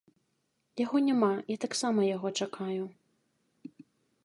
Яго няма, я таксама яго чакаю.